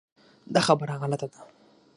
دا خبره غلطه ده .